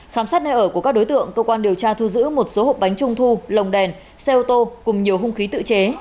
khám xét nơi ở của các đối tượng cơ quan điều tra thu giữ một số hộp bánh trung thu lồng đèn xe ô tô cùng nhiều hung khí tự chế